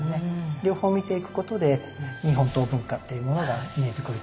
両方見ていくことで日本刀文化っていうものが見えてくると思います。